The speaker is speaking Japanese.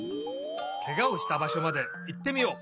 ケガをしたばしょまでいってみよう。